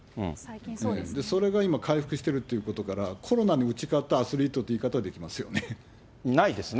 それが今、回復してるっていうことから、コロナに打ち勝ったアスリートという言い方はできますよね。